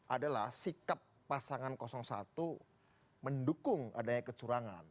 adalah sikap pasangan satu mendukung adanya kecurangan